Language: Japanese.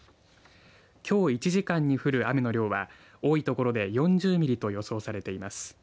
きょう１時間に降る雨の量は多い所で４０ミリと予想されています。